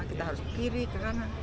kita harus ke kiri ke kanan